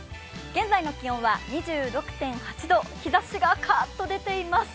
現在の気温は２６．８度、日ざしがカッと出ています。